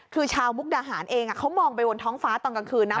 คือชาวมุกดาหารเองเขามองไปบนท้องฟ้าตอนกลางคืนนะ